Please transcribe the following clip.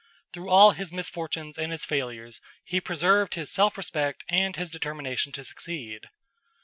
Through all his misfortunes and his failures, he preserved his self respect and his determination to succeed.